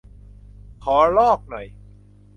ขอลอกหน่อย